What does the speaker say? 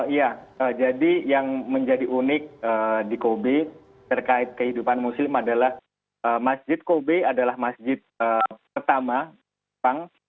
iya jadi yang menjadi unik di kobe terkait kehidupan muslim adalah masjid kobe adalah masjid pertama jepang